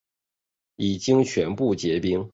已经全部结冰